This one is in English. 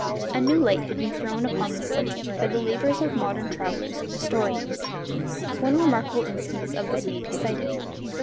A new light had been thrown upon this subject by the labours of modern travellers and historians. One remarkable instance of this may be cited.